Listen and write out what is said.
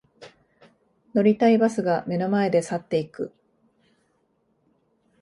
乗りたいバスが目の前で去っていく